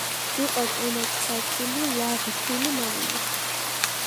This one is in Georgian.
მიყვარს ენა ქართული ლაღი თბილი მამული